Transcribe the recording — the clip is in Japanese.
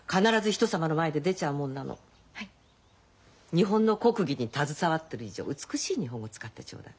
日本の国技に携わってる以上美しい日本語使ってちょうだい。